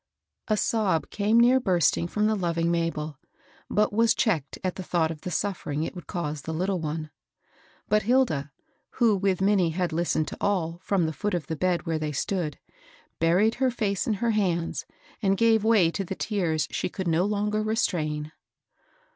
A sob came near bursting from the loving Ma bel, but was checked at the thought of the suffering it would cause the little one. But Hilda, who with Minnie had listened to all, from the foot of the bed where they stood, buried her &ce in her hands and gave way to the tears she could no longer restrain.